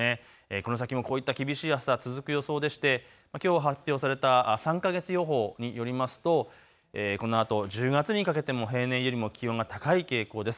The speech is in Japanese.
この先もこういった厳しい暑さ続く予想でしてきょう発表された３か月予報によりますとこのあと１０月にかけても平年よりも気温が高い傾向です。